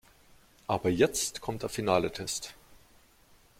Aber jetzt kommt der finale Test.